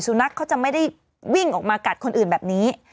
นักเขาจะไม่ได้วิ่งออกมากัดคนอื่นแบบนี้